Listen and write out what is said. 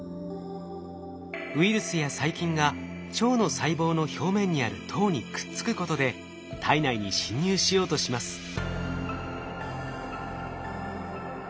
ウイルスや細菌が腸の細胞の表面にある糖にくっつくことで体内に侵入しようとします。